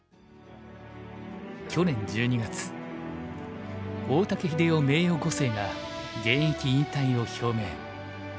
去年１２月大竹英雄名誉碁聖が現役引退を表明。